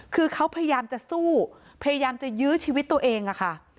คือเขาพยายามจะสู้พยายามจะยื้อชีวิตตัวเองอะค่ะ